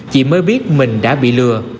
chị mới biết mình đã bị lừa